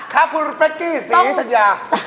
ครับคุณไฟสกี่สิสัญญา